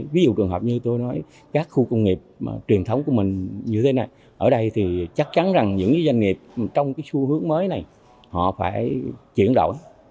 ví dụ trường hợp như tôi nói các khu công nghiệp truyền thống của mình như thế này ở đây thì chắc chắn rằng những doanh nghiệp trong cái xu hướng mới này họ phải chuyển đổi